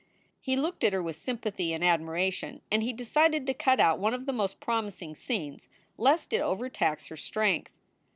" He looked at her with sympathy and admira tion, and he decided to cut out one of the most promising scenes, lest it overtax her strength.